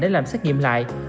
để làm xét nghiệm lại